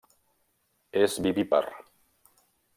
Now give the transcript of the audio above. És vivípar.